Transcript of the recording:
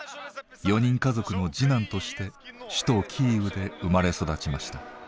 ４人家族の次男として首都キーウで生まれ育ちました。